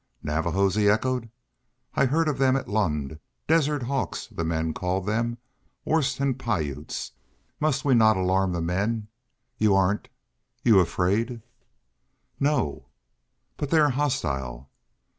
"Navajos!" he echoed. "I heard of them at Lund; 'desert hawks' the men called them, worse than Piutes. Must we not alarm the men? You aren't you afraid? "No." "But they are hostile."